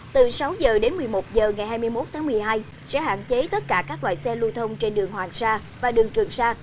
từ sáu h đến một mươi một h ngày hai mươi một tháng một mươi hai sẽ hạn chế tất cả các loại xe lưu thông trên đường hoàng sa và đường trường sa